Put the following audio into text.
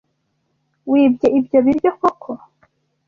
Wibye ibyo biryo koko?